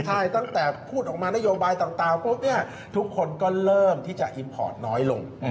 ใช่ตั้งแต่พูดออกมานโยบายต่างปุ๊บเนี่ยทุกคนก็เริ่มที่จะอิมพอร์ตน้อยลง